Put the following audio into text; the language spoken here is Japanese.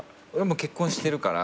もう結婚してるから。